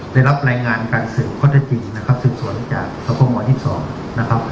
ได้รับรายงานการเสิร์ฟข้อถ้าจริงสืบสวนจากทหกมที่๒๒